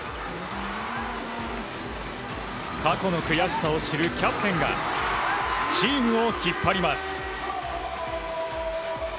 過去の悔しさを知るキャプテンがチームを引っ張ります。